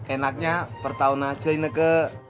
enaknya per tahun aja ini ke